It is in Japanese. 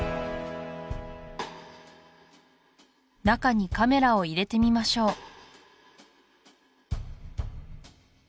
中にカメラを入れてみましょう